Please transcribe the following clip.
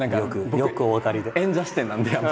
よくお分かりで。